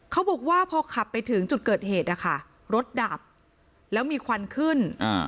เขาบอกว่าพอขับไปถึงจุดเกิดเหตุนะคะรถดับแล้วมีควันขึ้น